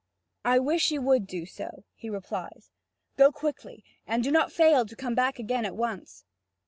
"I wish you would do so," he replies, "go quickly, and do not fail to come back again at once."